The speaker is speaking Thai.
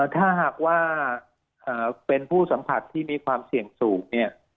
ถ้าหากว่าเป็นผู้สัมผัสที่มีความเสี่ยงสูงเนี่ย